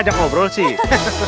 satu lagi boleh